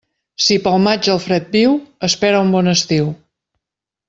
Si pel maig el fred viu, espera un bon estiu.